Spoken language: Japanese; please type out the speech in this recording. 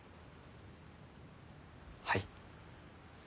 はい。